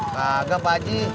kagak pak ji